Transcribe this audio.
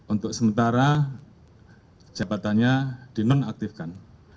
untuk sementara jabatannya dinonaktifkan